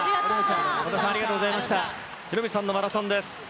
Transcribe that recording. ヒロミさんのマラソンです。